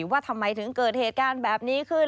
ว่าทำไมถึงเกิดเหตุการณ์แบบนี้ขึ้น